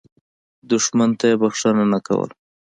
دښمن ته یې بخښنه نه کول.